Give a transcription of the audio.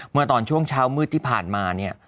เมื่อตอนช่วงเช้ามืดที่ผ่านมาเนี่ย